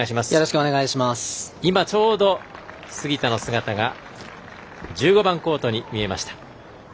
今、ちょうど杉田の姿が１５番コートに見えました。